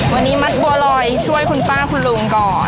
วันนี้มัดบัวลอยช่วยคุณป้าคุณลุงก่อน